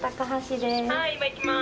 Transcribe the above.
・はい今行きます。